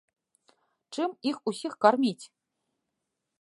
Чым іх усіх карміць?